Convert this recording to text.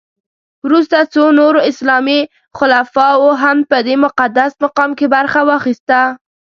وروسته څو نورو اسلامي خلفاوو هم په دې مقدس مقام کې برخه واخیسته.